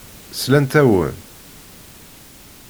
Slant-awen.